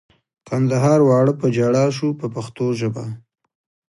کندهار واړه په ژړا شو په پښتو ژبه.